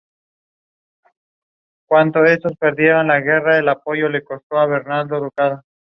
Estos últimos son leídos en el programa como opinión más.